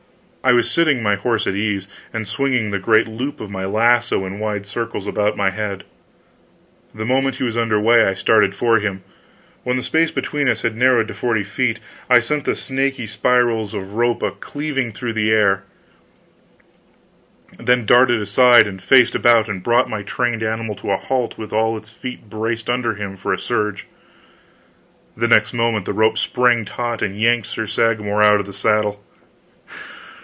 I was sitting my horse at ease, and swinging the great loop of my lasso in wide circles about my head; the moment he was under way, I started for him; when the space between us had narrowed to forty feet, I sent the snaky spirals of the rope a cleaving through the air, then darted aside and faced about and brought my trained animal to a halt with all his feet braced under him for a surge. The next moment the rope sprang taut and yanked Sir Sagramor out of the saddle!